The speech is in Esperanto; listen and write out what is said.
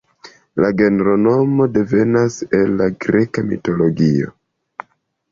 La genronomo devenas el la greka mitologio.